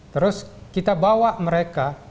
terus kita bawa mereka